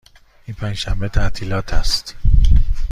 این پنج شنبه تعطیلات است.